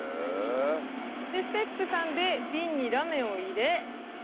ステップ３で、瓶にラメを入れ